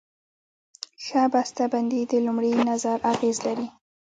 ښه بسته بندي د لومړي نظر اغېز لري.